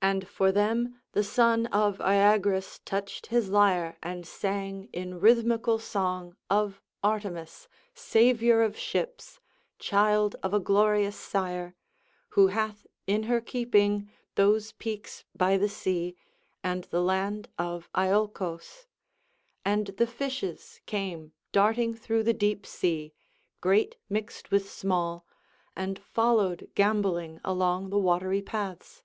And for them the son of Oeagrus touched his lyre and sang in rhythmical song of Artemis, saviour of ships, child of a glorious sire, who hath in her keeping those peaks by the sea, and the land of Iolcos; and the fishes came darting through the deep sea, great mixed with small, and followed gambolling along the watery paths.